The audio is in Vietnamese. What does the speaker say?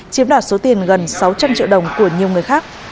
chiếm đoạt số tiền gần sáu trăm linh triệu đồng của nhiều người khác